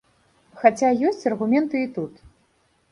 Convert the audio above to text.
Хаця ёсць аргументы і тут.